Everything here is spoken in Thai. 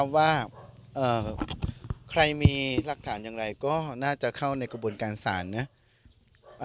คำว่าเอ่อใครมีรักฐานอย่างไรก็น่าจะเข้าในกระบวนการสารน่ะ